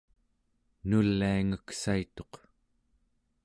nuliangeksaituq